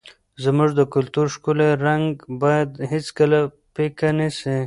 زموږ د کلتور ښکلی رنګ باید هېڅکله پیکه نه سي.